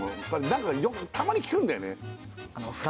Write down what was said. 何かたまに聞くんだよね